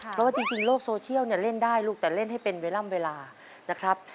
เพราะว่าจริงโลกโซเชียลเนี่ยเล่นได้ลูกแต่เล่นให้เป็นเวลานะครับ